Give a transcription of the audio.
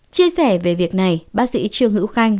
chia sẻ về việc này bác sĩ trương hữu khanh